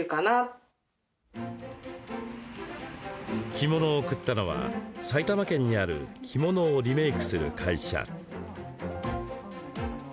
着物を送ったのは埼玉県にある着物をリメークする会社。